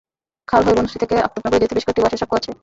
খাল হয়ে বনশ্রী থেকে আফতাবনগরে যেতে বেশ কয়েকটি বাঁশের সাঁকো আছে।